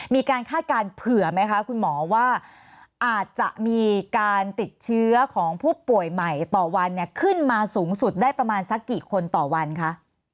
คาดการณ์เผื่อไหมคะคุณหมอว่าอาจจะมีการติดเชื้อของผู้ป่วยใหม่ต่อวันเนี่ยขึ้นมาสูงสุดได้ประมาณสักกี่คนต่อวันคะ